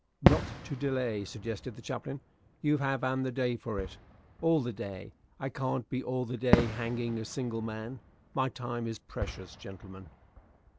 "Not to delay," suggested the chaplain. "You have an the day for it." "All the day! I can't be all the day hanging a single man. My time is precious, gentlemen."